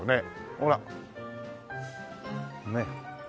ほらねっ。